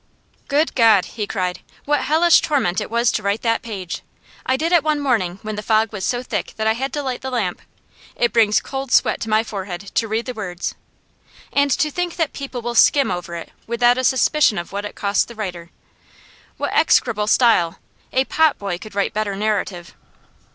'Good God!' he cried. 'What hellish torment it was to write that page! I did it one morning when the fog was so thick that I had to light the lamp. It brings cold sweat to my forehead to read the words. And to think that people will skim over it without a suspicion of what it cost the writer! What execrable style! A potboy could write better narrative.